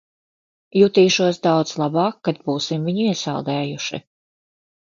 Jutīšos daudz labāk, kad būsim viņu iesaldējuši.